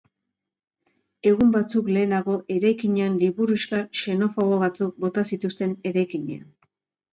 Egun batzuk lehenago, eraikinean liburuxka xenofobo batzuk bota zituzten eraikinean.